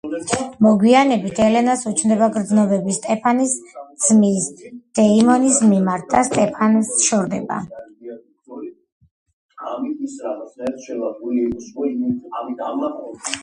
მოგვიანებით, ელენას უჩნდება გრძნობები სტეფანის ძმის, დეიმონის მიმართ და სტეფანს შორდება.